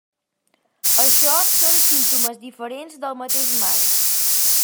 Això són símptomes diferents del mateix mal.